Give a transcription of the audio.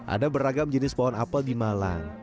ada beragam jenis pohon apel di malang